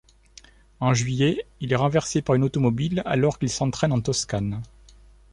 En juillet, il est renversé par une automobile alors qu'il s'entraîne en Toscane.